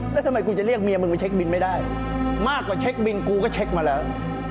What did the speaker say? แล้วทำไมกูจะเรียกเมียมึงไปเช็คบินไม่ได้มากกว่าเช็คบินกูก็เช็คมาแล้ว